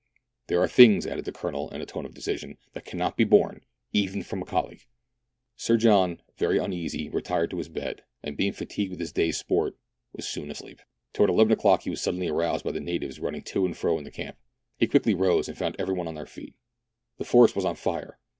"There arc things,'' added the Colonel, in a tone of decision, "that cannot be borne, even from a colleague." Sir John, very uneasy, retired to his bed, and being fatigued with his day's sport, was soon asleep. Towards eleven o'clock he was suddenly aroused by the natives running to and fro in the camp. He quickly rose, and found every one on their feet. The forest was on fire.